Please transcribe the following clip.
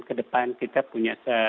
kedepan kita punya